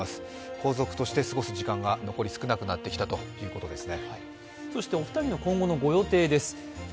皇族として過ごす時間が残り少なくなってきたということですね。